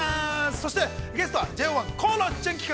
そしてゲストはＪＯ１、河野純喜君。